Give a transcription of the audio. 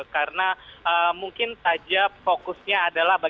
karena mungkin saja fokusnya adalah bantuan